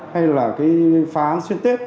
hay là cái phá án xuyên tết